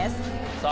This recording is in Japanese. さあ